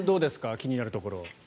気になるところ。